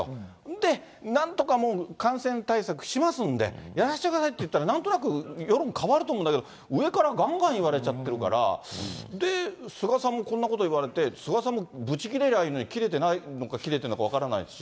で、なんとかもう感染対策しますんで、やらせてくださいって言ったら、世論、変わると思うんだけど、上からがんがん言われちゃってるから、で、菅さんもこんなことを言われて、菅さんもぶち切れりゃいいのに、切れてないのか切れてるのか分からないし。